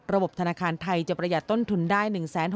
ระบบธนาคารไทยจะประหยัดต้นทุนได้๑๖๐